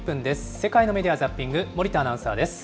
世界のメディア・ザッピング、森田アナウンサーです。